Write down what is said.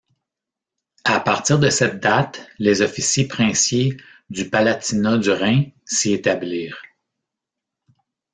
À partir de cette date, les officiers princiers du Palatinat du Rhin s'y établirent.